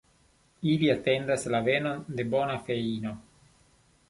Ili atendas la venon de bona feino.